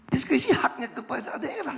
diskresi haknya kepada daerah